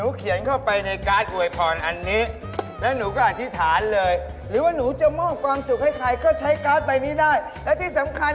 และที่สำคัญให้เป็น๑๐ใบก็ได้เพราะมันไม่แพง